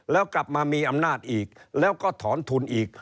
แล้วกลับมามีอำนาจอีกแล้วก็ถอนทุนอีก